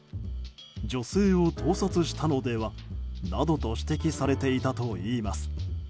女性を盗撮したのでは？などと指摘されていたといいます。